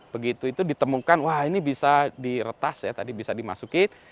begitu itu ditemukan wah ini bisa diretas ya tadi bisa dimasukin